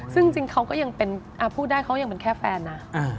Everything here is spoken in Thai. ซึ่งจริงเขาก็ยังเป็นพูดได้เขายังเป็นแค่แฟนนะ